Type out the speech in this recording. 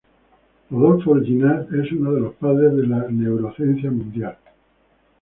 Rodolfo Llinás es uno de los padres de la Neurociencia mundial.